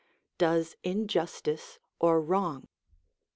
_, does injustice or wrong.